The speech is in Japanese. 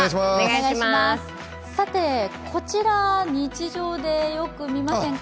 こちら、日常でよく見ませんか？